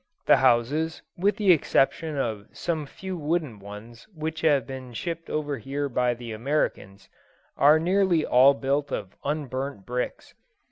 The houses, with the exception of some few wooden ones which have been shipped over here by the Americans, are nearly all built of unburnt bricks.